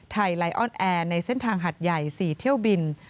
ไลออนแอร์ในเส้นทางหัดใหญ่๔เที่ยวบิน